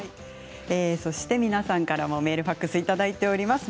皆さんからもメールファックスいただいております。